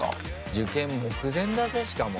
受験目前だぜ、しかも。